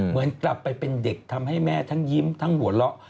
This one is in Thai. เหมือนกลับไปเป็นเด็กทำให้แม่ทั้งยิ้มทั้งหัวเราะ